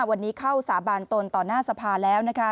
วันนี้เข้าสาบานตนต่อหน้าสภาแล้วนะคะ